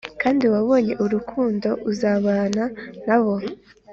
kandi wabonye urukundo uzabana nabo